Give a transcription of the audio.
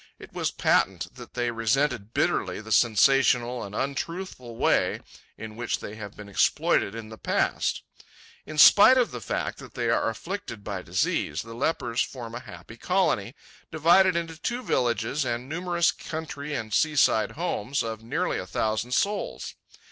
It was patent that they resented bitterly the sensational and untruthful way in which they have been exploited in the past. In spite of the fact that they are afflicted by disease, the lepers form a happy colony, divided into two villages and numerous country and seaside homes, of nearly a thousand souls.